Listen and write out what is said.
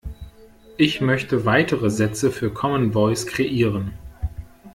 Ich möchte weitere Sätze für Common Voice kreieren.